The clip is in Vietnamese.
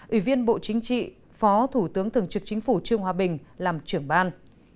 ủy viên bộ chính trị phó thủ tướng thường trực chính phủ trương hòa bình làm trưởng ban